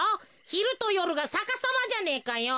ひるとよるがさかさまじゃねえかよ。